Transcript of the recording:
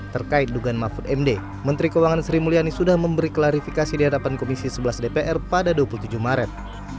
terkait dugaan mahfud md menteri keuangan sri mulyani sudah memberi klarifikasi di hadapan komisi sebelas dpr pada dua puluh tujuh maret